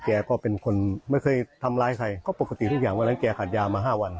แกก็เป็นคนไม่เคยทำร้ายใครก็ปกติทุกอย่างวันนั้นแกขาดยามาห้าวัน